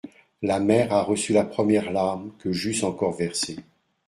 La mer a reçu la première larme que j'eusse encore versée.